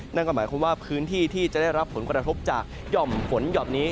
นั่นก็หมายความว่าพื้นที่ที่จะได้รับผลกระทบจากหย่อมฝนหย่อมนี้